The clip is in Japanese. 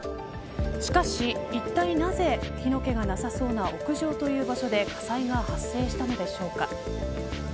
しかし、いったいなぜ火の気がなさそうな屋上という場所で火災が発生したのでしょうか。